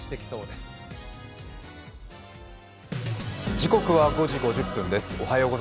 時刻は５時５０分です。